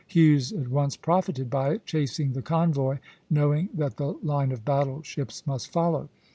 Hughes at once profited by it, chasing the convoy (c), knowing that the line of battle ships must follow.